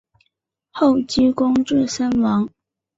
后积功至森王。